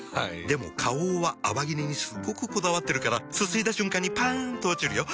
でも花王は泡切れにすっごくこだわってるからすすいだ瞬間にパン！と落ちるよ。